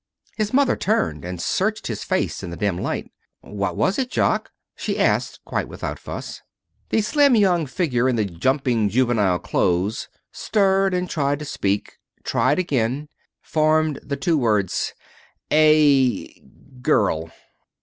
His mother turned and searched his face in the dim light. "What was it, Jock?" she asked, quite without fuss. The slim young figure in the jumping juvenile clothes stirred and tried to speak, tried again, formed the two words: "A girl."